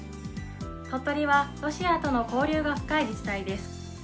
鳥取はロシアとの交流が深い自治体です。